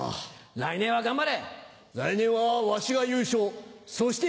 来年は頑張れ。